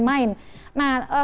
jadi nggak main main